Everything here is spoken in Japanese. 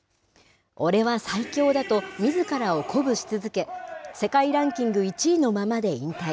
俺は最強だと、みずからを鼓舞し続け、世界ランキング１位のままで引退。